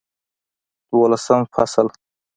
دولسم فصل